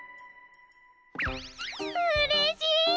うれしい！